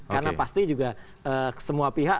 karena pasti juga semua pihak beradu